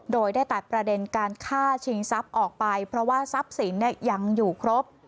โดยได้ตัดประเด็นการฆ่าชิงทรัพย์ออกไปเพราะว่าทรัพย์สินยังอยู่ครบ